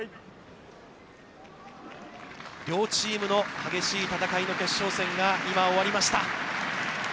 両チームの激しい戦いの決勝戦が今、終わりました。